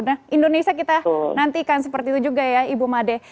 nah indonesia kita nantikan seperti itu juga ya ibu made